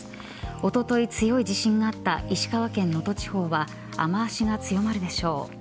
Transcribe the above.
おととい、強い地震があった石川県能登地方は雨脚が強まるでしょう。